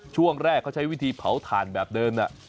ช่วงแรกเขาใช้วิธีเผาถ่านแบบเดิม